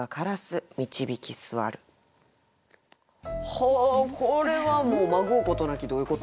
ほうこれはもうまごうことなき「どういうこと？」。